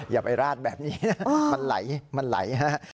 อย่าไปราดแบบนี้นะมันไหลมันไหลฮะ